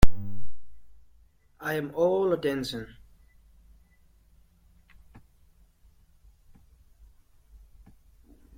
I am all attention.